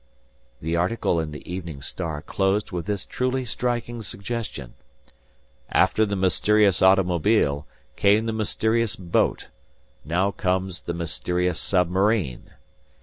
The article in the Evening Star closed with this truly striking suggestion: "After the mysterious automobile, came the mysterious boat. Now comes the mysterious submarine.